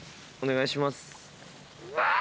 お願いします。